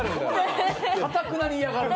かたくなに嫌がるな。